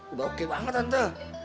udah oke banget tante